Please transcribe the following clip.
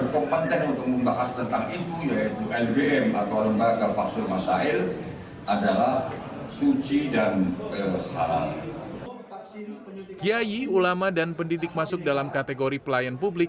kiai ulama dan pendidik masuk dalam kategori pelayan publik